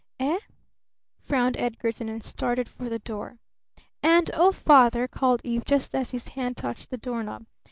"Eh?" frowned Edgarton, and started for the door. "And oh, Father!" called Eve, just as his hand touched the door knob.